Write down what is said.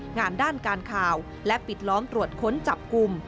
งานด้านการข่าวและปิดล้อมตรวจค้นจับกลุ่ม